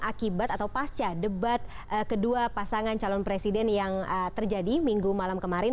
akibat atau pasca debat kedua pasangan calon presiden yang terjadi minggu malam kemarin